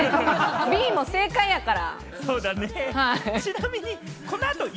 Ｂも正解やから。